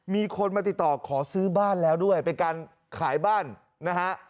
มีคนมาติดต่อขอซื้อบ้านแล้วด้วยเป็นการขายบ้านนะฮะ